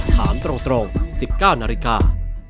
ถามตรง๑๙นาฬิกา